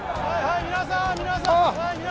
はいはい皆さん皆さんあ